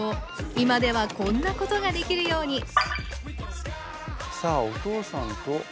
今ではこんなことができるようにさあお父さんと。